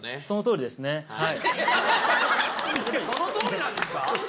そのとおりなんですか？